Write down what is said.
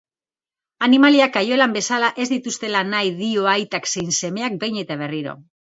Animaliak kaiolan bezala ez dituztela nahi dio aitak zein semeak behin eta berriro.